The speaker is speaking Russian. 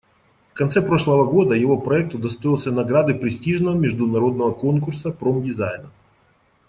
В конце прошлого года его проект удостоился награды престижного международного конкурса промдизайна.